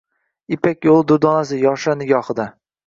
«Ipak yo‘li durdonasi» yoshlar nigohida